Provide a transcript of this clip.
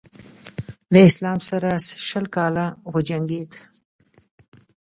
له اسلام سره شل کاله وجنګېد.